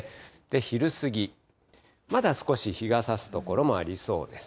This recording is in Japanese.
昼過ぎ、まだ少し日がさす所もありそうです。